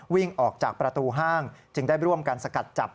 วิ่งออกจากประตูห้างจึงได้ร่วมกันสกัดจับ